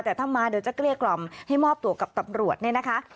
แต่ถ้ามาเดี๋ยวจะเกลี้ยกล่อมให้มอบตัวกับตำรวจเนี่ยนะคะ